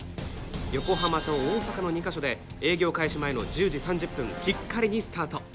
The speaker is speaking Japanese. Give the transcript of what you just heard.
横浜と大阪の２か所で営業開始前の１０時３０分きっかりにスタート。